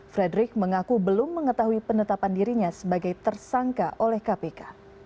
frederick mengaku belum mengetahui penetapan dirinya sebagai tersangka oleh kpk